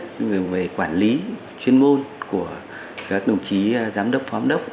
chúng tôi có bài thi viết về quản lý chuyên môn của các đồng chí giám đốc phó giám đốc